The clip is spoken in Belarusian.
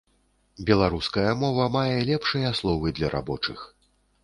Беларуская мова мае лепшыя словы для рабочых.